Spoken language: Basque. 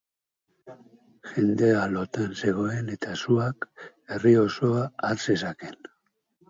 Jendea lotan zegoen eta suak herri osoa har zezakeen.